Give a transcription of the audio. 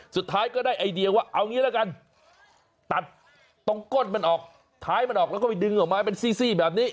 สุดท้ายก็ได้ไอเดียว่าเอางี้ละกันตัดตรงก้นมันออกท้ายมันออกแล้วก็ไปดึงออกมาเป็นซี่แบบนี้